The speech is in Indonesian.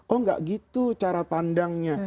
oh nggak gitu cara pandangnya